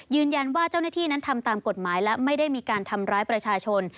เจ้าหน้าที่นั้นทำตามกฎหมายและไม่ได้มีการทำร้ายประชาชน